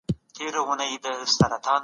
استازي تل پر دولتي ادارو نيوکي کوي.